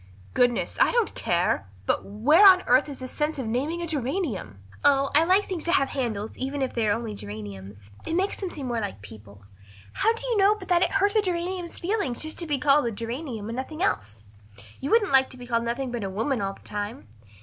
"Goodness, I don't care. But where on earth is the sense of naming a geranium?" "Oh, I like things to have handles even if they are only geraniums. It makes them seem more like people. How do you know but that it hurts a geranium's feelings just to be called a geranium and nothing else? You wouldn't like to be called nothing but a woman all the time.